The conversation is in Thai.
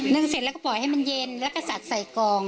เสร็จแล้วก็ปล่อยให้มันเย็นแล้วก็สัดใส่กอง